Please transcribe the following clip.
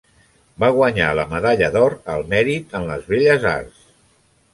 Va guanyar la Medalla d'Or al Mèrit en les Belles Arts.